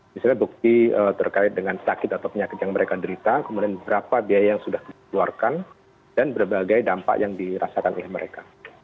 misalnya bukti terkait dengan sakit atau penyakit yang mereka derita kemudian berapa biaya yang sudah dikeluarkan dan berbagai dampak yang dirasakan oleh mereka